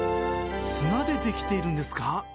砂で出来てるんですか？